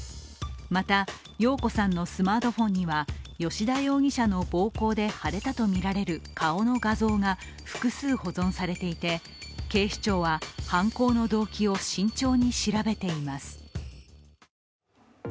また、容子さんのスマートフォンには吉田容疑者の暴行で腫れたとみられる顔の画像が、複数保存されていて警視庁は犯行の動機を慎重に調べています。